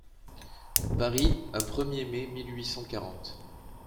Paris, un er mai mille huit cent quarante.